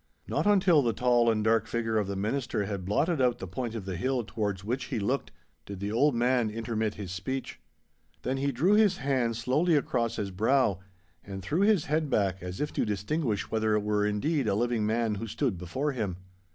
Not until the tall and dark figure of the Minister had blotted out the point of the hill towards which he looked, did the old man intermit his speech. Then he drew his hand slowly across his brow, and threw his head back as if to distinguish whether it were indeed a living man who stood before him.